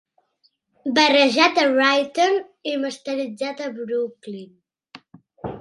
Barrejat a Brighton i masteritzat a Brooklyn.